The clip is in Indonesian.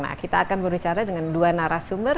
nah kita akan berbicara dengan dua narasumber